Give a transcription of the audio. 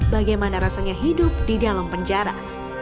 bagaimana rasanya hidup di dalam penjara